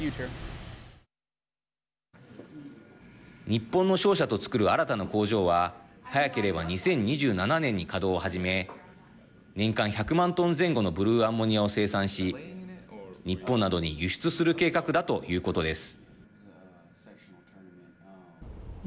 日本の商社とつくる新たな工場は早ければ２０２７年に稼働を始め年間１００万トン前後のブルーアンモニアを生産し日本などに輸出する計画だということです。